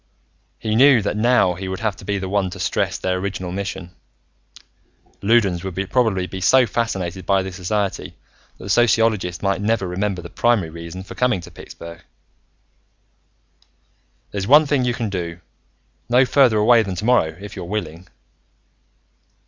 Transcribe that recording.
He knew that now he would have to be the one to stress their original mission: Loudons would probably be so fascinated by this society that the sociologist might never remember the primary reason for coming to Pittsburgh. "There's one thing you can do, no further away than tomorrow, if you're willing."